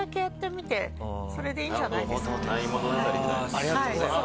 ありがとうございます。